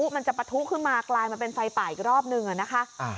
มันจะปะทุขึ้นมากลายมาเป็นไฟป่าอีกรอบนึงนะคะ